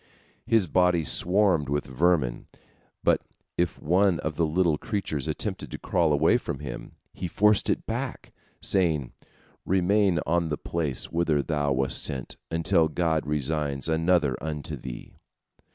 His body swarmed with vermin, but if one of the little creatures attempted to crawl away from him, he forced it back, saying, "Remain on the place whither thou wast sent, until God assigns another unto thee."